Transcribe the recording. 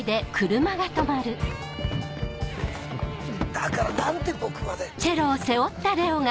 だから何で僕まで！